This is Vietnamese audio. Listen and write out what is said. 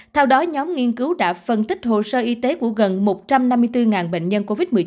theo đó nhóm nghiên cứu đã phân tích hồ sơ y tế của gần một trăm năm mươi bốn bệnh nhân covid một mươi chín